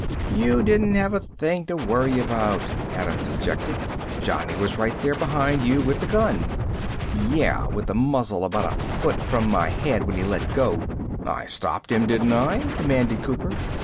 "You didn't have a thing to worry about," Adams objected. "Johnny was right there behind you with the gun." "Yeah, with the muzzle about a foot from my head when he let go." "I stopped him, didn't I?" demanded Cooper.